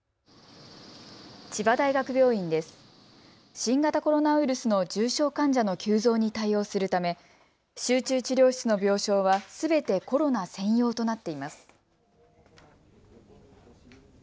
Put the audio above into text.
新型コロナウイルスの重症患者の急増に対応するため集中治療室の病床はすべてコロナ専用となっています。